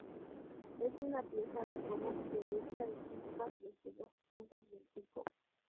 Es una pieza de fuego que echa chispas desde dos puntos del pico.